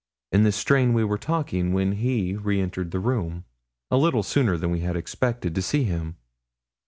In this strain were we talking when he re entered the room, a little sooner than we had expected to see him.